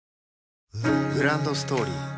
グランドストーリー